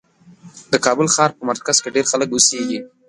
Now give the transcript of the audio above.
د کابل ښار په مرکز کې ډېر خلک اوسېږي.